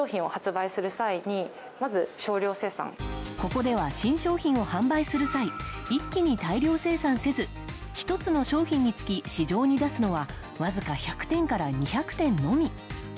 ここでは新商品を販売する際一気に大量生産せず１つの商品につき市場に出すのはわずか１００点から２００点のみ。